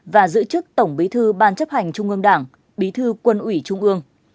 và giữ chức tổng bí thư ban chấp hành trung ương đảng bí thư quân ủy trung ương